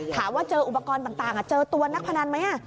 ถามว่าเจออุปกรณ์ต่างเจอตัวนักพนันไหม